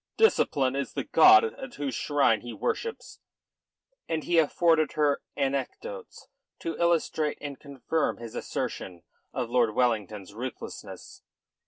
Discipline is the god at whose shrine he worships." And he afforded her anecdotes to illustrate and confirm his assertion of Lord Wellington's ruthlessness.